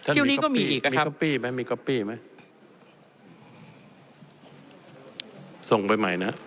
เกี่ยวนี้ก็มีอีกอะครับ